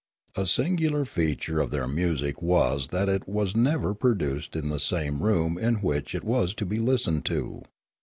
A singular feature of their music was that it was never produced in the same room in which it was to be listened to.